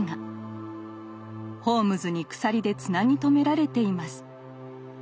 ホームズに鎖でつなぎ止められています。